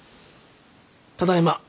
ただいま。